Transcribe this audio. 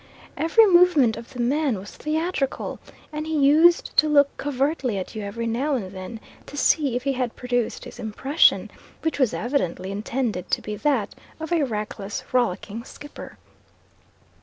Every movement of the man was theatrical, and he used to look covertly at you every now and then to see if he had produced his impression, which was evidently intended to be that of a reckless, rollicking skipper.